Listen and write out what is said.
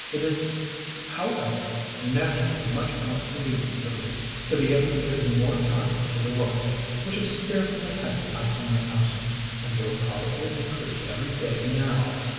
It is, however, naturally much more convenient for me to be able to give more time to the work, which is fearfully heavy after my absence, and will probably increase every day now.